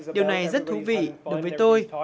điều này rất thú vị đối với tôi